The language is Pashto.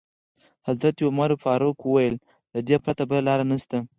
حضرت عمر فاروق وویل: له دې پرته بله لاره نشته.